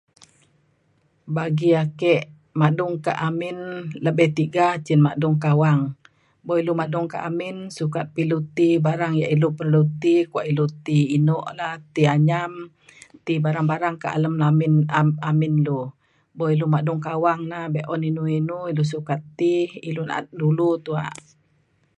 Bagi ake madung ka amin lebih tiga cin madung ka awang bo ilu madung ka amin sukat pa ilu ti barang ia’ ilu perlu ti kuak ilu ti eno la ti anyam ti barang barang ka alem amin amin lu. Bo ilu madung ka awang na be’un inu inu ilu sukat ti ilu na’at dulu tuak